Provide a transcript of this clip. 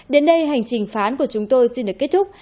đến đây hành trình phán của chúng tôi xin được kết thúc